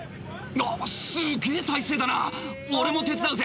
あっすげぇ体勢だな俺も手伝うぜ。